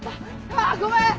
あっごめん！